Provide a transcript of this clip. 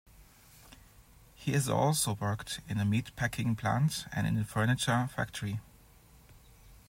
He has also worked in a meat packing plant and in a furniture factory.